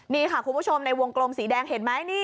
นี่ค่ะคุณผู้ชมในวงกลมสีแดงเห็นไหมนี่